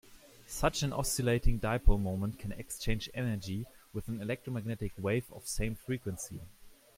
Such an oscillating dipole moment can exchange energy with an electromagnetic wave of same frequency.